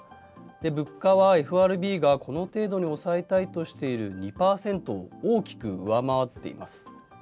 物価はＦＲＢがこの程度に抑えたいとしている２％を大きく上回っています。